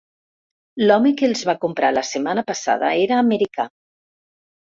L'home que els va comprar la setmana passada era americà.